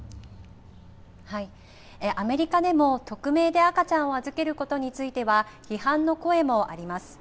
アメリカでも匿名で赤ちゃんを預けることについては、批判の声もあります。